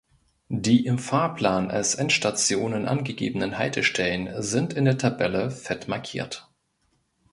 Die im Fahrplan als Endstationen angegebenen Haltestellen sind in der Tabelle fett markiert.